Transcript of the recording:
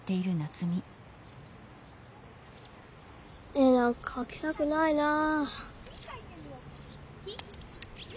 絵なんかかきたくないなあ。